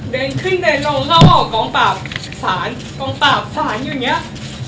เดินขึ้นเดินลงเข้าออกกองปราบศาลอยู่เนี่ย